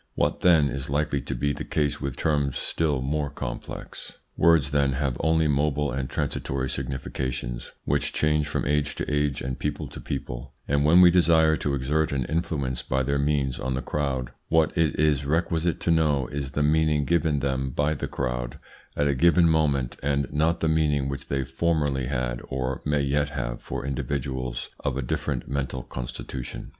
What, then, is likely to be the case with terms still more complex? Words, then, have only mobile and transitory significations which change from age to age and people to people; and when we desire to exert an influence by their means on the crowd what it is requisite to know is the meaning given them by the crowd at a given moment, and not the meaning which they formerly had or may yet have for individuals of a different mental constitution.